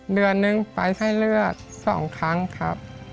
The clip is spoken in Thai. เดือนหนึ่งไปให้เลือดสองครั้งครับ